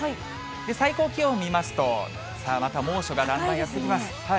最高気温見ますと、さあ、また猛暑がだんだんやって来ます。